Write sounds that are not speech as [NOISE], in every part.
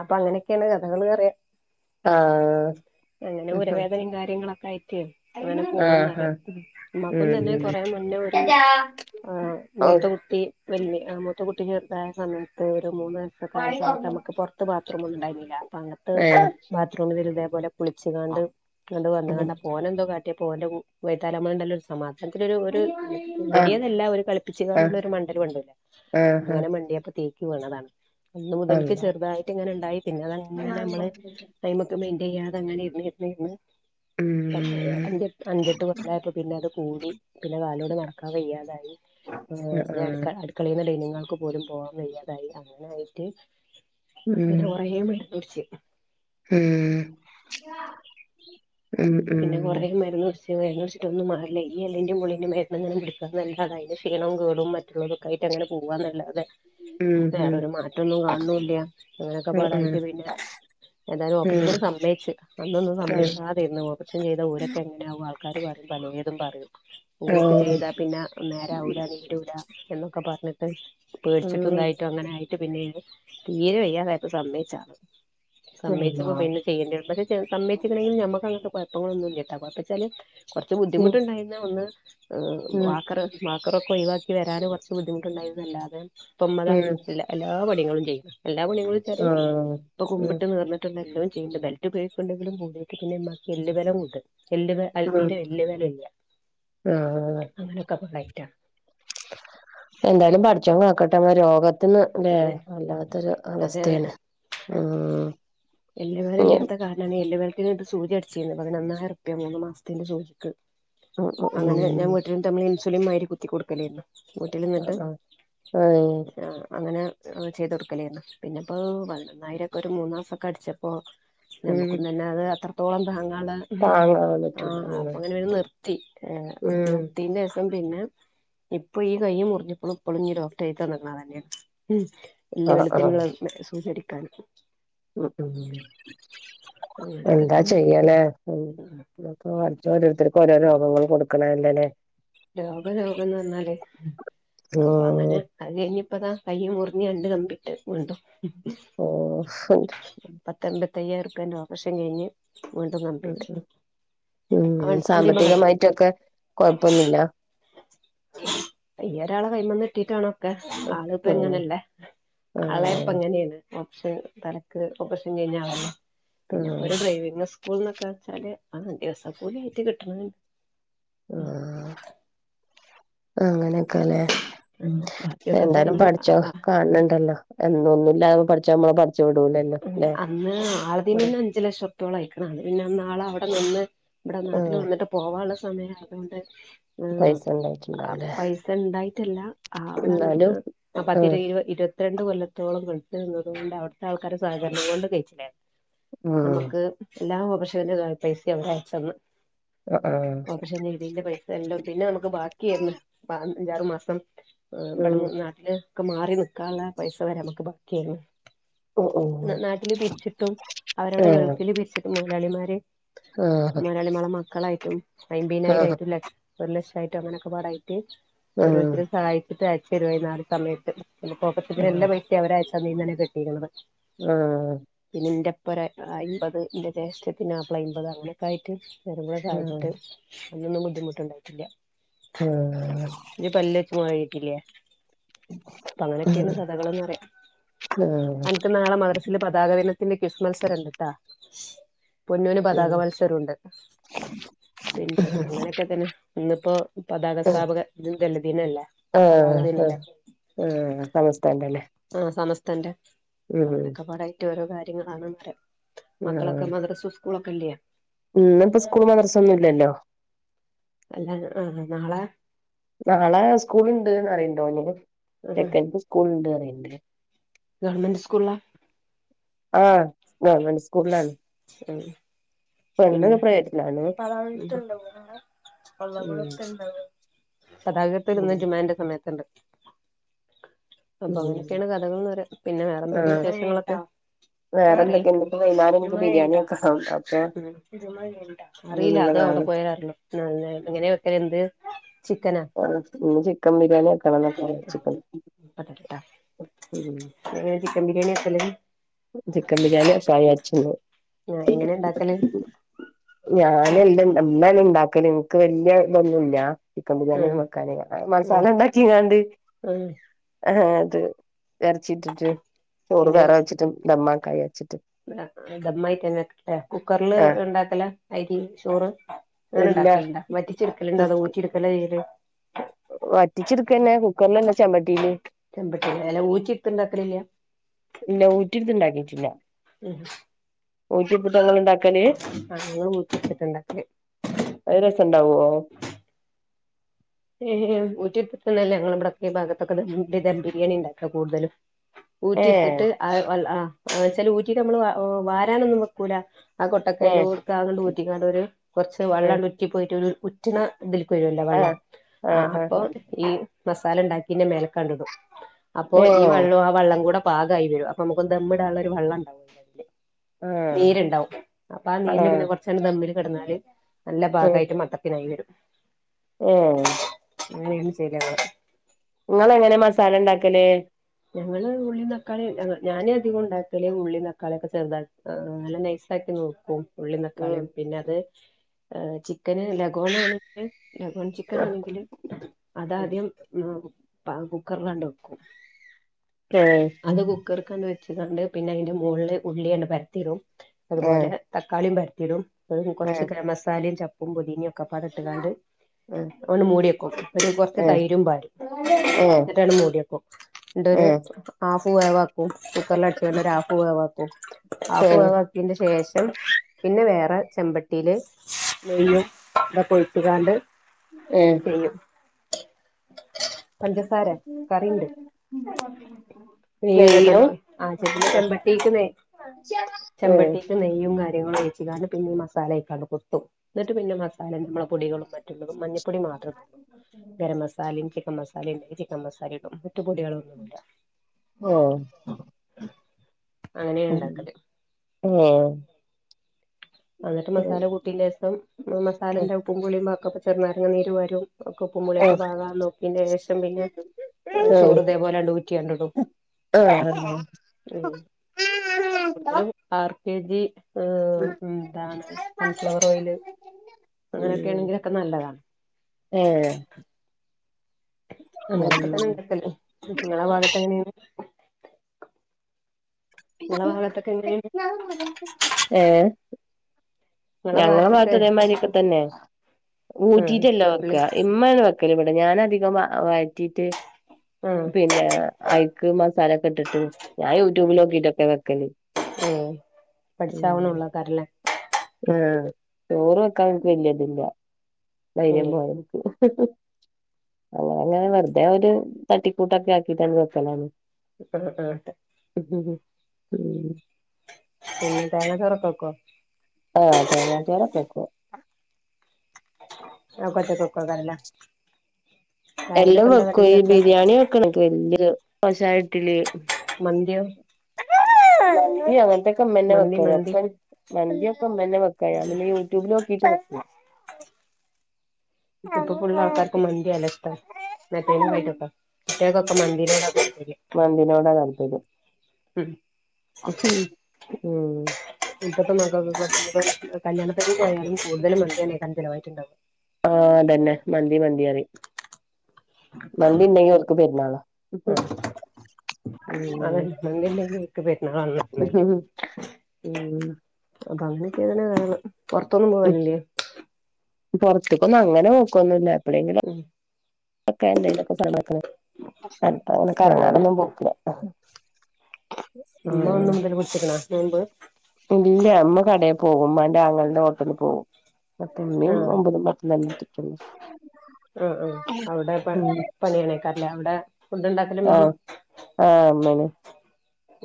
അപ്പങ്ങനോക്കേണ് കഥകള്റിയ ആഹ അങ്ങനെ ഉരവേദനയും കാര്യങ്ങളൊക്കെ ആയിട്ടേ അങ്ങനെ പോകുന്ന ഉമ്മക്കും തന്നെ കൊറെ മ പിന്നെ ഒരു മൂത്ത കുത്തി വല മറ്റ കുട്ടി ചെറുതായ സമയത്ത് ഒരു മൂന്ന് ദിവസക്കെ ആയ സമയത്ത് നമുക്ക് പുറത്ത് ബാത്റൂമ ഒന്നുംണ്ടായിരുന്നില്ല അപ്പ അങ്ങത്തെ ഏഹ് ബാത്റൂമ വര ഇതേപോലെ കുളിച്ചുാണ്ട് വന്ന കണ്ടാ പോലെ എന്തോ മറ്റ പോക വൈതാലണ്ടല്ല ഒരു സമാധം അത്തിൊരു ആഹ് മുടിയതെല്ലാം ഒരു കളിപ്പിച്ചച്ച്ണ്ടുള്ള ഒരു മണ്ഡലം ഉണ്ടല്ല ആഹ് ആഹ് അങ്ങനെ മണ്ടിയപ്പ തീ താണ് അന്ന് മുതൽക്ക് അള്ളാ ചെറുതായിട്ട് ഇങ്ങനെ ഉണ്ടായി തിന്ന അതങ്ങനെ നമ്മള് ചെയ്യാതെ അങ്ങനെ ഇന്ന് ഇന്ന് ഇന്ന് ഉം അഞ്ച അഞ്ചെട്ട് കൊല്ലപ്പോ പിന്നെ അത് കൂടി പിന്നെ കാലോടെ നടക്കാൻ വയ്യാതായി ആഹ് അടുക്കളട ൾക്ക് പോലും പോകൻ വയ്യാതായി അങ്ങനെയിട്ട് ഉം പിന്നെ കുറ വേണ്ട കുടിച്ച് ആ പിന്നെ കൊറ മരുന്ന് സും കെിച്ചിട്ടൊന്ന മാറില്ല യല്ലിൻ്റെുള്ളിൻ്റെ മതണങ്ങളും പിടുക്കുന്ന നല്ലതായ ക്ഷീണം കേടും മറ്റുള്ളവൊക്കായിട്ട് റികൾ പോവുകന്നല്ല അതത് വേറൊരു മാറ്റംന്നും കാണണില്ല അങ്ങനെയൊക്കെ ഉം ഉം ഉം പാടായിട്ട് പിന്നെ എന്തായാലും ഓപ്പറേഷൻ ഉം സിത്തിന് സമ്മച്ചച്ച് അന്നൊന്നും ആഹ് സമ്മയിച്ച തന്ന് ഓ കുറച്ചും ചെയ്ത ഓരൊക്കെങ്ങനെയകും ആൾക്കാര് പറയും പലയതും പറയും ഊരൊക്കെ ഉം ചെയ്താ പിന്നെ നേരാവല നീടൂട എന്നൊക്കെ പറഞ്ഞിട്ട് പേടിച്ചിട്ടുംന്തായിട്ടും അങ്ങനൊയിട്ട് പിന്നെ തീരെ വയ്യാതായിട്ട് സമ്മായച്ചാണ് അള്ളാ സമ്മയച്ചപ്പോ പിന്നെ ചെയ്യേണ്ടരും പക്ഷെ സമ്മയച്ചണമെങ്കിൽ നമ്മുക്ക് ഇപ്പങ്ങളൊ ഒന്നും കേട്ട കുഴപ്പച്ചാല് കുറച്ച് ഉം ബുദ്ധിമുട്ടുണ്ടായിുന്ന ഒന്ന് ഉം ഉം വാക്കർ വാക്കറൊക്കെ ഒഴിവാക്കി വരൻ കുറച്ച് ബുദ്ധിമുട്ടുണ്ടായിരുന്നുല്ലാതെ തൊമ്മത ആഹ് എല്ലാ എല്ലാ പണികളും ചെയ്യുന്നു എല്ലാ പണികും വിച്ചാറ് ഇപ്പൊ ഉം കുമ്പട്ട്ർന്നിട്ടുള്ള എല്ലാം ചെയ്യണ്ട് ബെൽറ്റ്ഴണ്ടെങ്കിലും കൂടട്ട പിന്നെി എല്ലു ബലം കണ്ട് എല് ഉം തീരെ വല്വല ഇല്ല ആഹ് അങ്ങനെയൊക്കെ പോള്ളായിട്ടാ എന്തായാലും പഠിച്ചക്കട്ടെ പെട്ട രോഗത്തിന്ന് അല്ലേ അതെ വല്ലാത്തൊരു അവസ്ഥയാണ് ഉ എല്ലവേല ഇല്ലാത്ത കാരണാണ് എല്ല പേർക്ക് സൂച അടിച്ചിരുന്നത് പതിനന്നായിരംപ്യ മൂന്ന മാസത്തിന്റെ സൂചികക്ക് ഉം അങ്ങനെ ഉം ഞാൻ വീട്ടിലും തമ്മൾ ഇൻസുലിൻ മാരി കുത്തി കൊടുക്കലേരുന്നു ആ ആ ആഹ അങ്ങനെ ചെയ്ത കൊടുക്കലയന്നു പിന്നെപ്പോ വതിനന്നായിരൊക്കെ ഒരു മൂന്നാസൊക്കെ അടിച്ചപ്പോൊ ഏഹ് ഉം നമ്മുക്കന്ന് തന്നെ അത് അത്രത്തോളം താങ്ങള് താങ്ങാൻ ആ പറ്റൂല അപ്പൊ അങ്ങനെ നിർ ഉം ഉം നത്തിന്റെ രസം പിന്നെ ഇപ്പൊ ഈ കയ്യും മുറിഞ്ഞപ്പോളും ഇപ്പളുംഞ്ഞ ഡോക്ടർ ക്ക തന്നെയാണ് വലിയ ആഹ് വലുപ്പും സൂചരിക്കാനും ഉ ഉ അങ്ങനെയൊക്കെ എന്താ തന്നെ ചെയ്യനേ ഉപ്പ ഓരോരുത്തർക്ക് ഓരോ രോഗങ്ങൾ കൊടുക്കണല്ല അല്ലേ രോഗ രോഗംന്ന് പറഞ്ഞാല് അപ്പൊ ഉം അങ്ങനെ അത് കഴിഞ്ഞ ഇപ്പതാ കൈ്യ മുറിഞ്ഞഞ് കണ്ട് കമ്പിട്ട് ഉണ്ടോ ഓ തയ്യാർക്ക അവശ്യ കഴിഞ് ഉ ഉ ഉ വണ്ടിമ്മകള് സാമ്പത്തികമായിട്ടൊക്കെ കൊഴപ്പൊന്നുമില്ല അയ്യ ഒരാളെ കൈമന്ന് കിട്ടിട്ടാണോ ആള ഇപ്പ ഉം എങ്ങനല്ലേ ആളെ ഇപ്പ ആഹ് എങ്ങനെയാണ് പക്ഷേ തലക്ക് ഓപ്പറേഷൻ കഴിഞ്ഞാല്ലേ പിന്നെ ഇപ്പോൊ ആഹ് ഒരു ഡ്രൈവിംഗ സ്കൂൾ എന്നൊക്കെ വെച്ചാല് ആ ദിവസപ്പല ആയിട്ട് കിട്ടണ ആ അങ്ങനെയൊക്കെ അല്ലേ ബാക്കിയൊക്കെ ഇപ്പ എന്തായാലും നമ്മള് പഠിച്ചോ കാണണണ്ടല്ലോ എന്ന ഒന്നുംല്ലാ പഠിച്ച നമ്മള പഠ ഉ അന്ന് ഇവിടെ ആളതിന്ന് അഞ്ചു ലക്ഷംത്തോള അഴക്കണം അത് പിന്നെന്നാള അവിടെ നിന്ന് ഇവിടെ നാട്ടിൽ ആഹ് വന്നിട്ട് പോവാനുള്ള സമയ അതുകൊണ്ട് പൈസ ആ ഉണ്ടായിട്ടുണ്ടാവൂലേ പൈസ ഉണ്ടായിട്ടല്ല അവിടെ എന്നാലും നിക്ക് ആഹ് പത്തിരപ ഇരുപത്തി പത്ര രണ്ട് കൊല്ലത്തോളം ഗൾഫിൽ നിന്നത് കൊണ്ട് അവിത്തെ ആൾക്കാരെ സഹകരണം കൊണ്ട് കഴിച്ചിലായതാ ആഹ് നമുക്ക് എല്ലാ ഓപ്പറേഷൻ ന്റെ പൈസയും അവര് അയച്ചന്ന് ആഹ് ഓപ്പറേഷൻ രീതിന്റെ പൈസ എല്ലാം പിന്നെ നമുക്ക് ബാക്കിന്ന് അഞ്ചാറു മാസം ഉം ഇവിടന്ന് നാട്ടില് മാറി നിക്കാനുള്ള പൈസ വരെ നമക്ക് ബാക്കിയന്ന് ഓഹ് ഓഹ് നാട്ടില് പിരിച്ചിട്ടും അവരടെ ആഹ് ഗൾഫിൽ പിരിച്ചിട്ടും മുതലളിമാരെ ആഹ് മലയാളിമള മക്കളായിട്ടും ആഹ് ഐബീനായരായിട്ടുംക്ഷ ഒരു ലക്ഷംയിട്ടും അങ്ങനെയൊക്കെ പാടായ ആഹ് ഓരോരുത്തര സഹായിച്ചിട്ട് അയച്ച തരു നാല് സമയത്ത് കോപ്പത്തി എല്ലാം പൈസ അവ സമയന കെട്ടികള ഉം എന്റെ പ്പ അമ്പത് എന്റെ ജെശത്തി ആപ്പള അമ്പത് അനക്കായിട്ട് വെരു കടെ ആഹ് സഹായിച്ചിട്ട് അന്നൊന്നും ബുദ്ധിമുട്ടുണ്ടായിട്ടില്ല ആഹ് ഇജ്ജ്‌ പല്ല്ച്ച് മോറാന്കില്ലേ അപ്പ അങ്ങനെയൊക്കെയന്ന് കഥകൾന്ന്റിയ ആഹ് മദ്രസിലില് പതാക ദിനത്തിന്റെ കിസ്സ് മത്സരം ഉണ്ട്ട്ടാ പൊന്നുന് പതാക മത്സരംണ്ട് പിന്നെ അങ്ങനെയൊക്കെ തന്നെ ഇന്നിപ്പോ പതാക സ്ാപക ഇത ദലദീനല്ലേ ആ ഉ സമസ് ആഹ സമസ് തന്റെ ഉം അങ്ങനെയൊക്കെ പാടായിട്ട് ഓരോ കാര്യങ്ങളണെന്ന് പറയാം മക്കളൊക്കെ മതസ്ഥ കുളക്കില്ലയ ഉ ഇപ്പ സ്കൂള മദർസംന്നും ഇല്ലല്ലോ അല്ല ആ നഞളെ നാളെ സ്കൂള ഇണ്ട്ന്ന് അറിയണ്ടോ അ സെക്കൻഡറി സ്കൂള ഇണ്ട്ന്ന്റിയണ്ടേ ഗവർമെന്റ് സ്കൂള ആഹ ഗവൺമെന്റ് സ്കൂളിലാണ് പെണ്ണ് പിന്നെ പ്രൈവറ്റിലാണ് പണ്ടാവ ഉം പള്ളക്കണ്ടാവ ഗതാഗതത്തിൽ ഉം ഇന്ന് ജുമാന്റെ സമയത്തുണ്ട് അപ്പൊ ഉം അങ്ങനെയൊക്കെയാണ് കഥകൾന്ന് പറ പിന്നെ വേറെ എന്തൊക്കെ ആഹ് വി്യേഷങ്ങളൊക്കെ വേറെന്തൊക്കെണ്ട് ഇപ്പ വൈന്നാരം എനിക്ക് ബിരിയാണി രുമണ്ടരുമണ്ടാ വെക്കണം അപ്പൊ അറിയില്ല അയിന്ള്ള അതോ അവിടെ പോയ അങ്ങനെ വെക്കൽ എന്ത് ചിക്കനാ ആ ഇ ചിക്കൻ ബിരിയാണി ഒക്കെ വന്നൊ ചിക്കൻ ട്ട ചിക്കൻ ബിരിയാണി എല്ലും ചിക്കൻ ബിരിയാണി ഫ്രൈച്ച ആഹ് എങ്ങനെ ഇണ്ടാക്കല് ഞാന എല്ലാം എന്നമ്മാല ഇണ്ടാക്കല് നിനിക്ക് വല്യ ഇതൊന്നുമല്ല ചിക്കൻ ബിരിയാണി ആഹ് വക്കാനെ ആഹ് മസാല ഉണ്ടാക്കിങ്ങാണ്ട് ആഹ് ആഹ അത് ഇറച്ചിട്ടിട്ട് ചോറ് വേറെ വെച്ചിട്ടും ഡമമാക്കായ ദമ്മായിട്ടന്നെട്ട കുക്കറിില് ആഹ് ഉണ്ടാക്കല അരി ചോറ് അങ്ങനെ ഇല്ല ഉണ്ടാക്കലുണ്ട വറ്റിച്ചെടുക്കല ഇണ്ട അതോ ഊച്ചിെടുക്കല ചെയല് വറ്റിച്ചെടുക്കന്നെ കുക്കറിലന്നെ ചമ്പട്ടിയില് ചെമ്പട്ട വല ഊച്ചി ഇത്തണ്ടാക്കലില്ല ഇല്ല ഊറ്റിയെടുത്ത് ഉം ക്ക അങ്ങട്ട വൈരസം ഉണ്ടാവോ ഏ ഊറ്റിത്തുന്നതല്ല ഞങ്ങള ഇവിടത്തെഈ ഭാഗത്തൊക്കെ ബിരിയാണി ഉണ്ടാക്കാം കൂടുതലും ഊറ്റി ഏഹ് എടുത്തിട്ട് ആ വച്ചല് ഊറ്റിട്ട് നമ്മള് വാരാനൊന്നും വെക്കൂല ആ ഏഹ് കൊട്ടക്കൈൽട്ക്കെ ഊറ്റിക്കാണ്ട് ഒരു കുറച്ച് ഏഹ് വെള്ളം ഉറ്റി പോയിട്ട് ഉറ്റിന ഇതിൽക്കുവരുവല്ലോ വെള്ളം ആഹ് ആഹ് അപ്പൊ ഈ മസാല ഉണ്ടാക്കിന്റെ മേലക്കണ്ട് ഇടും അപ്പൊ ഏഹ് ഈ വെള്ളം ആ വെള്ളം കൂടെ പാകായി വരും അപ്പൊ നമുക്ക് ദമ്മിടാനുള്ളള്ള ഒരു വെള്ളം ഉണ്ടാവും അയില് ആഹ് നീരുണ്ടാവും അപ്പൊ ആ നീരില് പിന്നെ ആഹ് കൊറച്ചാണ് ദമ്മില് കിടന്നാല് നല്ല ഏഹ് പാകായിട്ട് മട്ടത്തിനായി വരും ഏഹ് അങ്ങനെണ് ശര്യാെവ ഇങ്ങളെങ്ങനെ മസാല ഇണ്ടാക്കല് ഞങ്ങള് ഉള്ളീം തക്കാളീം ഞങ്ങ ഞാന് അധികം ഉണ്ടാക്കല് ഉള്ളീം തക്കാളൊക്കെ ചെറുതാ ആഹ് നല്ല നൈസായ് പിന്നെ നോക്കും ഉള്ളീം ഉം തക്കാളീം പിന്ന അത് ആഹ് ചിക് ചിക്കന് ലഗോണാണെങ്കില് ലഗോൺ ചിക്കൻ ആണെങ്കില് നെയ്യും അതാദ്യം ഉം പ കുക്കർലാണ്ട് വെക്കും പേ ഹ് അത് കുക്കർക്കാണ്ട് വെച്ച്കാണ്ട് പിന്നെ അയ്ന്റെ മോളില് ഉള്ളിയണ്ട് പരത്തിടും അതുപോലെ തക്കാളിയും പര ത്തിടും ഏ് കൊർച്ച് ഗരം മസാലേം ചപ്പും പൊതീനൊക്കപാടട്ട്ക്കാണ്ട് ഏഹ് ഓണ്ട് മൂട്യക്കും ഒരു കൊർച്ച് തൈരും പാരും ഞങ്ങളെ എന്നിട്ടാണ്ട് മൂട്യക്കും ഇന്നട്ട്ഒരു ആഫും വേവാക്കും കുക്കർലടിച്ച്ക്കാണ്ട്ഒരു ആഫ് വേവാക്കും ആഫ് വേവാക്കീന്റെ ശേഷം പിന്നെ വേറെ ചെമ്പട്ടീല് നെയ്യും ഇതൊക്കെ ഒഴിച്ച് കാണ്ട് ഏഹ് പഞ്ചസാരെ കറീണ്ട് നെയ്യും ഇതൊക്കണ്ട് ആഹ് ചെമ്പ് ചെമ്പട്ടിക്ക് നെ- ചെമ്പട്ടീക്ക് നെയ്യും കാര്യങ്ങളും ഒഴിച്ച്കാണ്ട് പിന്നെ ഈ മസാലയ്ക്കാണ്ട് കൊട്ടും ന്നട്ട് പിന്നെ മസാ സാല നമ്മെള പൊടികളും മറ്റുള്ളതും മഞ്ഞപ്പൊടി മാത്രട്ട് ഗരം മസാലിം ചിക്കംമസാലിം ഇണ്ടങ്കി ചിക്കുമസാലിം ഇടും ന്നട്ട് പൊടിക ആഹ് അങ്ങനെയാ ഉം ഉണ്ടാക്കല് ആഹ് അന്നിട്ട് മസാല കൂട്ടീന്റെസം മസാലേന്റെ ഉപ്പും പുളിം വാക്കപ്പ ചെറുനാരങ്ങ നീര് പാരും ഒക്ക ഉപ്പും പുള്യക്കെ പാകാ നോക്കീന്റെ ശേഷം പിന്നെ ഏഹ് ചോറുതേപോലെഇടും ഊറ്റിയാണ്ട്ടും കൂടുതലും ആർ കെ ജി ഉം എന്താണ് [UNINTELLIGIBLE] സൺഫ്ലവെർ ഓയില് അങ്ങനെയൊക്കെ ഏണെങ്കിലൊക്കെ നല്ലതാ അങ്ങനൊക്കെ തെന്നെ ഇണ്ട്ട്ടോ എല്ലൊയും ഇങ്ങെളെ ഭാഗെത്ത് എങ്ങനെയാണ് നിങ്ങളെ [UNINTELLIGIBLE] ഭാഗത്തൊക്കെ എങ്ങനെയാണ് ഏഹ് നിങ്ങളെ ഞങ്ങളെ ഭാഗത്തൊക്കെ ഭാഗത്തും ഇതെമായിരി ഒക്കെ തന്നെ ആഹ് ഊറ്റിട്ട് അല്ല ഉള്ളി വെക്കാ ഇമ്മാണ് വെക്ക് ക്കെൽ ഇബെടെ ഞാനധികം വ വയറ്റിട്ട് ആഹ് പിന്നെ അയ് ക്ക്‌ മസാലൊക്കെ ഇട്ട്ട്ട് ഞാ യൂട്യൂബ്ൽ ആഹ് നോക്കിട്ടൊക്കെ വെക്കെൽ ഏഹ് ഉം പഠിച്ചാവണള്ളേക്കാരല്ലേ ആഹ് ചോറ് വെക്കാൻ ഇൻക്ക് വെല്ല്യ ഇത് ഇല്ല ധൈര്യം ഏഹ് പോരാ ഇൻക്ക് അത് അങ്ങനെ വെറ്തെ ഒര് തട്ടിക്കൂട്ടൊക്കെ ആക്കിട്ടാണ്ട് വെക്കലാണ് ആഹ് ആഹ് അതാ ഉം പിന്നെ തേങ്ങാ ചോറ് ഒക്കെ വെക്കോ ആഹ് തേങ്ങാ ചോറ് ഒക്കെ വെക്കും അഹ് ഒക്കെ ഒറ്റെക്ക് വെക്കൊയ്ക്കാരം ലെ എല്ലൊയും വെക്കും ഈ ബിരിയാണി വെക്ക്ണെ ഇൻക്ക് വെല്ല്യ ഒര് വശായിട്ട് ഇല്ലെയ് മന്തിയോ? മന്തിയോ അങ്ങെൻത്തൊക്കെ ഇമ്മെന്നെ മന്തി വെക്കെൽ മന്തി ഒക്കെ മന്തിയൊക്കെ ഇമ്മെന്നെ വെക്കാ ഞാ പിന്നെ യൂട്യൂബ്ൽ നോ ക്കീട്ട് വെക്കും ഇപ്പ ഫുള്ള് ആൾക്കാർക്കും മന്തിയാലെ ഇഷ്ടം മറ്റെയ്നെ [UNINTELLIGIBLE] ഇറ്റങ്ങൊക്ക് ഒക്കെ മന്തിനോടാ താല്പര്യം മന്തിനോടാ താല്പര്യം. ഉം ഉം ഇപ്പത്തെമക്കൾക്കൊക്കെ കല്യാണപെരേല് പോയാലും കൂടുതല് മന്തിഎന്നേകാരം ചെലവായിട്ട്ണ്ടാവ. ആ അതന്നെ മന്തി മന്തി പറിം. മന്തി ഇണ്ടങ്കിൽ ഒര്ക്ക് പെരുന്നാള. അതെന്നെ മന്ത്രി ഇണ്ടെങ്കി ഒര്ക്ക് പെരുന്നാളാല്ലൊ ഉം അന്ന് അപ്പൊ അങ്ങനെയക്കെയാണ് കാര്യങ്ങൾ പുറത്തൊന്നും പോവലില്ലേ പുറത്തേക്കൊന്നും അങ്ങനെ നോക്കലോന്നുല്ല എപ്പോഴെങ്കിലും ഉം എന്തലൊക്കെ സ്ഥലങ്ങളൊക്കെ പക്ഷെ അങ്ങനെ ആഹ് കറങ്ങാനൊന്നും പോക്കില്ല ആഹ് ഉമ്മ ഒന്ന് മുതൽ പുടിച്ച് ക്ക്ണോ നോമ്പ് ഇല്ല ഉമ്മ കടയെ പോവും ഉമ്മാന്റെ ആങ്ങളന്റെ ഹോട്ടലിൽ പോവും ഉമ്മിം ആഹ് ഒമ്പതും പത്തും തന്നെ എടുത്തിട്ടുള്ളൂ. ആഹ് ആഹ് അവിടെ പണി യെനെകരലെ അവിടെ ഫുഡ് ഉണ്ടാക്കലുമ്മേണ് ആഹ് ആ ഇമ്മയാണ്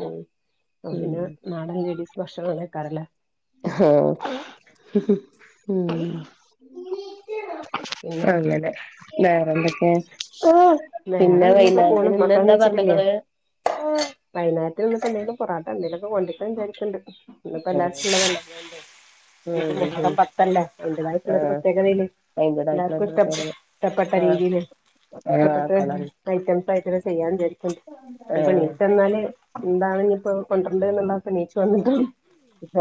ഉം അപ്പം പിന്നെ നാടൻ ലേഡീസ് ഭക്ഷണം ആണെയ്ക്കാരല്ലേ ആഹ് ഉം പിന്നെ അങ്ങനെ വേറെന്തൊക്കെ വേറെ പിന്നെ വൈന്നാരത്തിന് ഇന്ന്എന്താ പറ ഇണ്ടാക്കല് വൈകുന്നേരത്തിന് ഇനിന്നിട്ടു എന്തെങ്കിലും പൊറാട്ട എന്തെങ്കിലൊക്കെ കൊണ്ടരിക്കണം വിചാരിക്ക്ണ്ട്. ഇന്ന് ഇപ്പോ ഉം എല്ലാരുച്ചി ഉള്ളതല്ലേ ഇന്നുപ്പോ ഉം മുഹറം പത്തല്ലേ അതിന്റതായിട്ടുള്ളരു ഒരു ആഹ് പ്രത്യേകതയില്ലേ അയിന്റേതായിട്ടുള്ള ഇഷ്ട പ്രത്യേകത ഇഷ്ടപ്പെട്ട ആഹ് രീതിയില് ആഹ് ഇഷ്ടപ്പെട്ട കളർ ഐറ്റംസായിട്ടൊക്കെ ചെയ്യാൻ വിചാരിക്കണ്ട്. ഇപ്പൊ ആഹ് നീച്ച് വന്നാല് എന്താണ് ഇപ്പോ കൊണ്ടിരണ്ട എന്നുള്ളപ്പ നീച്ച് വന്നിട്ടണം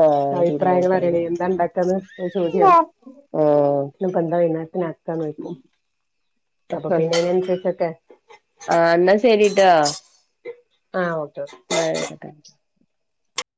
ആഹ് തീരുമാനിച്ചത് അഭിപ്രായങ്ങളാലെ എന്താ ഉണ്ടാക്കാന്ന് അതൊരു ചോദ്യാണ് ആഹ് ഇനിപ്പോ എന്താചെയ്യന് പിന്നെ അക്കാന്ന് വിളിക്കും, അപ്പ ആഹ് പിന്നെ അതിനനുസരിച്ചൊക്കെ ശെരിട്ടോ. ആ ഒ എന്നാ ആയിക്കോട്ടെ.